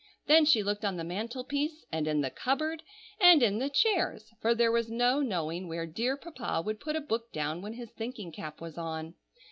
Then she looked on the mantel piece, and in the cupboard, and in the chairs, for there was no knowing where dear Papa would put a book down when his thinking cap was on.